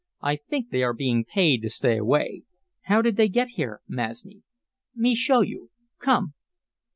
"I think they are being paid to stay away. How did they get here, Masni?" "Me show you. Come!"